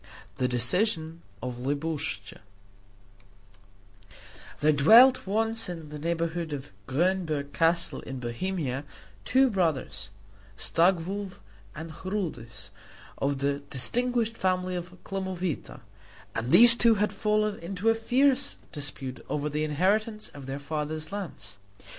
THE DECISION OF LIBUSCHA There dwelt once in the neighborhood of Grünberg Castle in Bohemia two brothers Staglow and Chrudis, of the distinguished family of Klemowita and these two had fallen into a fierce dispute over the inheritance of their father's lands.